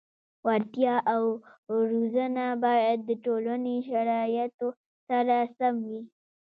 وړتیا او روزنه باید د ټولنې شرایطو سره سم وي.